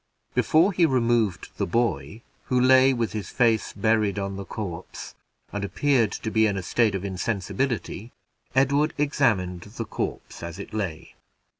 Before he removed the boy, who lay with his face buried on the corpse, and appeared to be in a state of insensibility, Edward examined the corpse as it lay.